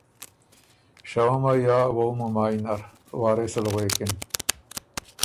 شهُمه یا وووُمه مایٛ نرـــ وارث ال غوېکِن